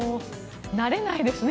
慣れないですね。